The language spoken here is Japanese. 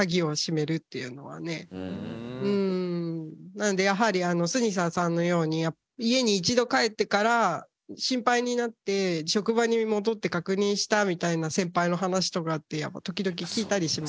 なんでやはりスニサーさんのように家に一度帰ってから心配になって職場に戻って確認したみたいな先輩の話とかって時々聞いたりします。